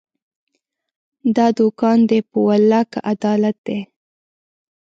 دا دوکان دی، په والله که عدالت دی